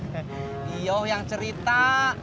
tio yang cerita